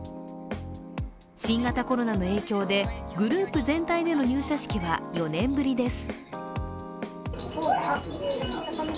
新型コロナの影響で、グループ全体での入社式は４年ぶりです。